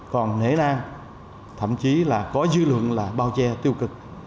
còn nể nang thậm chí là có dư luận là bao che tiêu cực